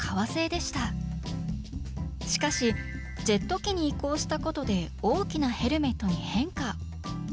しかしジェット機に移行したことで大きなヘルメットに変化。